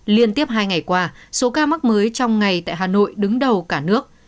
liên tiếp hai ngày qua số ca mắc mới trong ngày tại hà nội đứng đầu cả nước